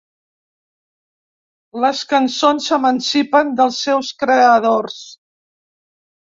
Les cançons s'emancipen dels seus creadors.